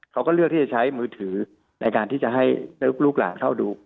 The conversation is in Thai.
เขาก็เลือกที่จะใช้มือถือในการที่จะให้ลูกหลานเข้าดู